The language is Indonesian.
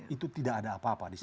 itu tidak ada apa apa di sana